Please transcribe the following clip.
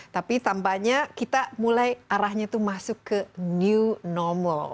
tapi tampaknya kita mulai arahnya itu masuk ke new normal